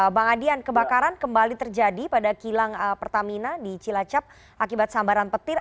bang adian kebakaran kembali terjadi pada kilang pertamina di cilacap akibat sambaran petir